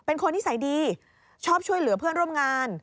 เป็นคนนิสัยดีชอบช่วยเหลือเพื่อนร่วมงาน